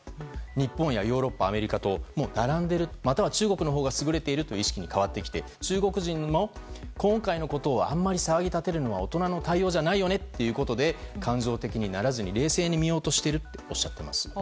日本やヨーロッパ、アメリカともう並んでいるまたは中国のほうが優れているという意識に変わってきて中国人にも今回のことをあまり騒ぎ立てるのは大人の対応じゃないよねということで感情的にならずに冷静に見ようとしているとおっしゃっています。